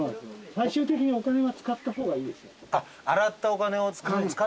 最終的にお金は使った方がいいですよ。